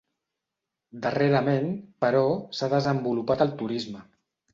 Darrerament, però, s'ha desenvolupat el turisme.